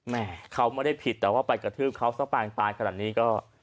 แม่เขาไม่ได้ผิดแต่ว่าไปกระทืบเขาซะปางตายขนาดนี้ก็